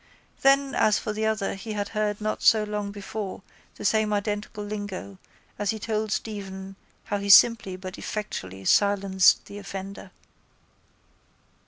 Then as for the other he had heard not so long before the same identical lingo as he told Stephen how he simply but effectually silenced the offender.